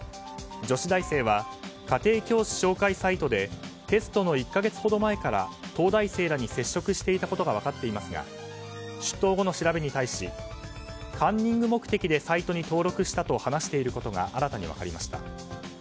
女子大生は家庭教師紹介サイトでテストの１か月ほど前から東大生らに接触していたことが分かっていますが出頭後の調べに対しカンニング目的でサイトに登録したと話していることが新たに分かりました。